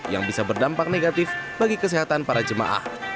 yang bisa berdampak negatif bagi kesehatan para jemaah